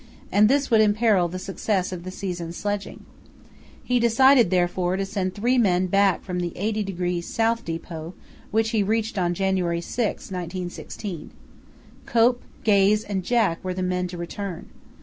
and this would imperil the success of the season's sledging. He decided, therefore, to send three men back from the 80° S. depot, which he reached on January 6, 1916. Cope, Gaze, and Jack were the men to return.